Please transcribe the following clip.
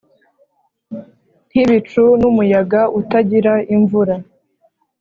nkibicu numuyaga utagira imvura